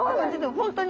本当に。